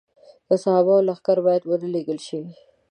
د صحابو لښکر باید ونه لېږل شي.